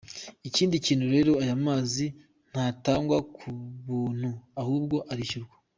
Ikindi kandi rero, ayo mazi ntatangwa ku buntu, ahubwo arishyurwa.